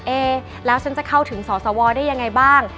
เอ๊แล้วฉันจะเข้าถึงสสวได้ยังไงบ้าง